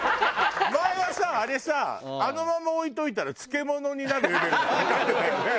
前はさあれさあのまま置いといたら漬物になるレベルでかかってたよね。